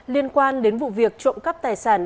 liên quan đến vụ việc trộm cắp tài sản